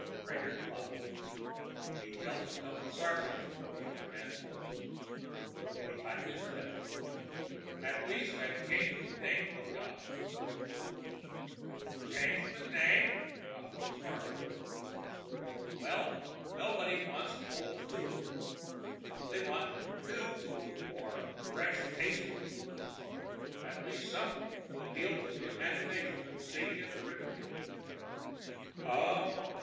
Brainard flushed. He felt the tone of sarcasm in the elder man's voice. He tightened his lips. "At least, I'd change the name of the gum!" "Change the name!" Kaufmann was horrified. "Well, nobody wants 'Old Tulu.' They want 'New Tulu' or 'Fresh Tasty Tulu.' At least, something to appeal to the imagination of Sadie at the ribbon counter." "Oh!"